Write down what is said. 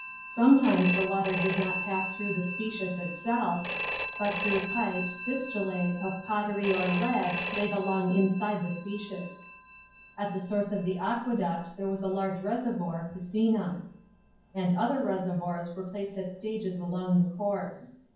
Sometimes the water did not pass through the spec/is itself, but through pip s (/E«/ttJ*»)of pottery or lead laid along inside the spccus. At the source of the aqueduct there was a large reservoir (piscina), and other reservoirs were placed at stages along the course.